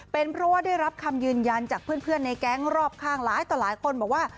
เป็นเพราะว่าได้รับคำยืนยันจากเพื่อนในแก๊งรอบข้างหลายต่อหลายคนบอกว่า